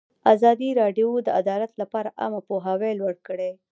ازادي راډیو د عدالت لپاره عامه پوهاوي لوړ کړی.